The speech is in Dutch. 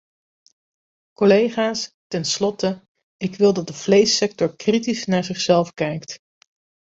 Collega's, ten slotte, ik wil dat de vleessector kritisch naar zichzelf kijkt.